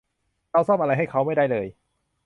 เราซ่อมอะไรให้เค้าไม่ได้เลย